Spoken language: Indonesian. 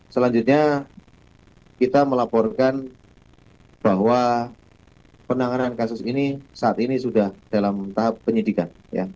selanjutnya kita melaporkan bahwa penanganan kasus ini saat ini sudah dalam tahap penyidikan